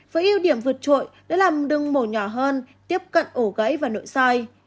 với ưu điểm vượt trội để làm đường mổ nhỏ hơn tiếp cận ổ gãy và nội soi